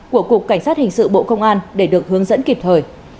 của cục cảnh sát hình sự bộ công an để được hướng dẫn kịp thời